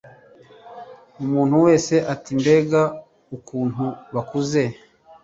Umuntu wese ati Mbega ukuntu bakuze